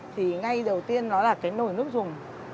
thì ngay đầu tiên nó là cái nồi nước dùng